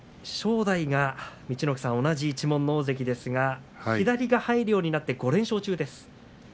正代が、陸奥さん、同じ一門の大関ですが左が入るようになって５連勝中です。